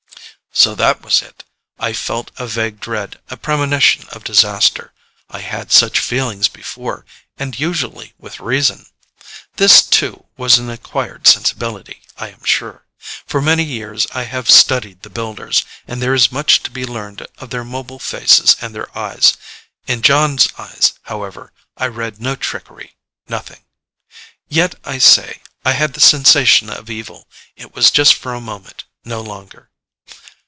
So that was it. I felt a vague dread, a premonition of disaster. I had such feelings before, and usually with reason. This too, was an acquired sensibility, I am sure. For many years I have studied the Builders, and there is much to be learned of their mobile faces and their eyes. In Jon's eyes, however, I read no trickery nothing. Yet, I say, I had the sensation of evil. It was just for a moment; no longer.